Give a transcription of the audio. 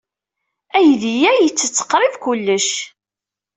Aydi-a yettett qrib kullec.